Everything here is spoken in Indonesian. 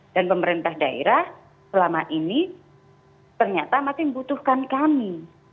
dan pemerintah daerah selama ini ternyata masih membutuhkan kami